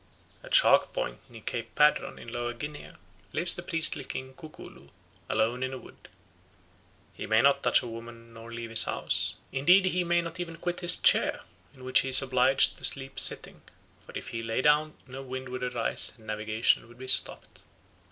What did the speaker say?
At Shark Point near Cape Padron, in Lower Guinea, lives the priestly king Kukulu, alone in a wood. He may not touch a woman nor leave his house; indeed he may not even quit his chair, in which he is obliged to sleep sitting, for if he lay down no wind would arise and navigation would be stopped.